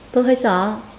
tôi hơi sợ